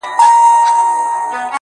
دا د تورزنو د خپلویو ځالۍ.!